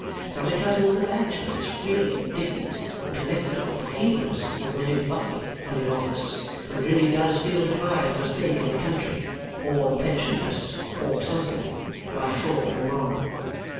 Not a cousin of the batch but is really indignant, and connects it with the feebleness of William Buffy when in office, and really does feel deprived of a stake in the country or the pension list or something by fraud and wrong.